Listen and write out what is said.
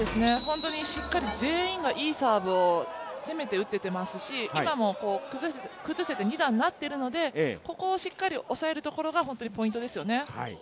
しっかり全員がいいサーブを攻めて打ててますし今も崩せて、２段になっているので、ここをしっかり抑えるところが本当にポイントですよね。